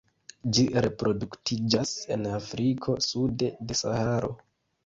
Ĝi reproduktiĝas en Afriko sude de Saharo.